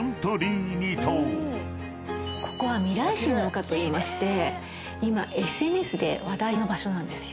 ここは未来心の丘といいまして今ＳＮＳで話題の場所なんですよ。